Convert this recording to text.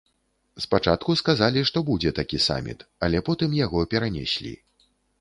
Спачатку сказалі, што будзе такі саміт, але потым яго перанеслі.